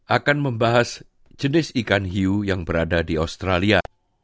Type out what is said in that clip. akan membahas jenis ikan hiu yang berada di australia